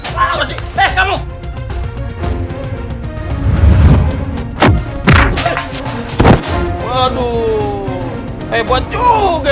waduh hebat juga